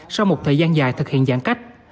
sau một thời gian dài thực hiện giãn cách